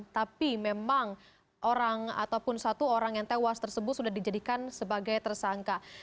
tapi memang orang ataupun satu orang yang tewas tersebut sudah dijadikan sebagai tersangka